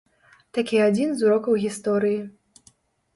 Такі адзін з урокаў гісторыі.